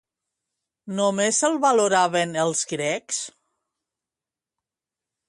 Només el valoraven els grecs?